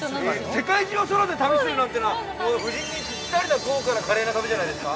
◆世界中を空で楽しむなんてのは夫人にぴったりな豪華な華麗な旅じゃないですか。